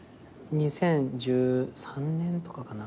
２０１３年とかかな。